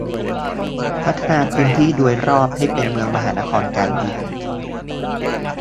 พัฒนาพื้นที่โดยรอบให้เป็นเมืองมหานครการบิน